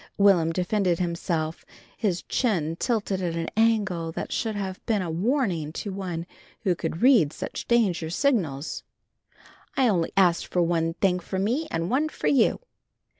Will'm defended himself, his chin tilted at an angle that should have been a warning to one who could read such danger signals. "I only asked for one thing for me and one for you."